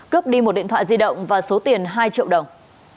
cướp đi một điện thoại di động và số tiền hai triệu đồng